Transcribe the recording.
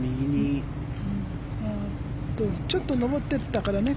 ちょっと上ってたからね。